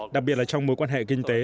đặc biệt là trong mối quan hệ kinh tế